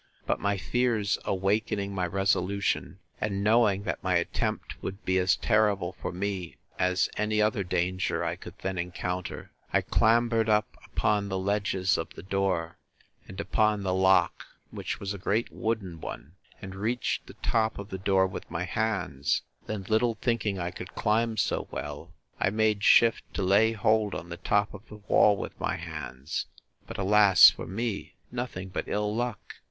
But my fears awakening my resolution, and knowing that my attempt would be as terrible for me as any other danger I could then encounter, I clambered up upon the ledges of the door, and upon the lock, which was a great wooden one; and reached the top of the door with my hands; then, little thinking I could climb so well, I made shift to lay hold on the top of the wall with my hands; but, alas for me! nothing but ill luck!